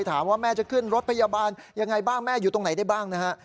ถามว่าแม่จะขึ้นรถพยาบาลยังไงบ้างแม่อยู่ตรงไหนได้บ้างนะฮะ